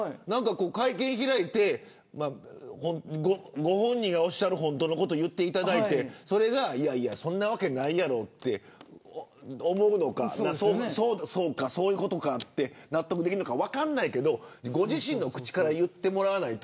会見を開いてご本人がおっしゃる本当のことを言っていただいてそれはそんなわけないやろって思うのかそうか、そういうことかって納得できるのか分からないけどご自身の口から言ってもらわないと。